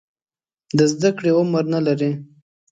د زده کړې عمر نه لري.